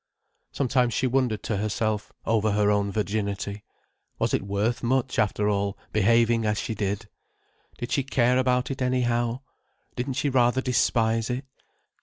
Sometimes she wondered to herself, over her own virginity. Was it worth much, after all, behaving as she did? Did she care about it, anyhow? Didn't she rather despise it?